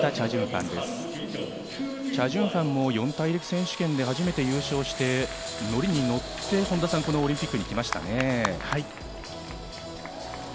チャ・ジュンファンも四大陸選手権で初めて優勝して、乗りに乗っているオリンピックに来ましたね。